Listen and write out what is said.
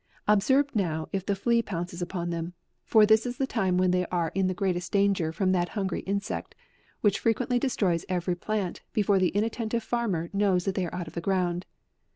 Observe now if the flea pounces upon them, for this is the time when they are in the greatest danger from that hungry insect, which frequently destroys every plant, be fore the inattentive farmer knows they are out of the ground.